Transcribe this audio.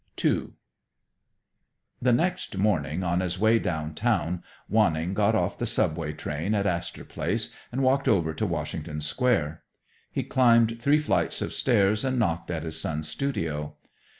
II The next morning, on his way downtown, Wanning got off the subway train at Astor Place and walked over to Washington Square. He climbed three flights of stairs and knocked at his son's studio.